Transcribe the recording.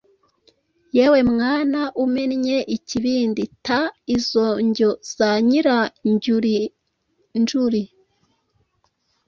Yewe mwana umennye ikibindi, ta izo njyo za Nyiranjyurinjuri ,